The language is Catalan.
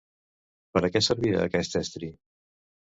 Per a què servia aquest estri?